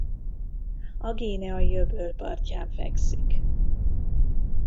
A Guineai-öböl partján fekszik.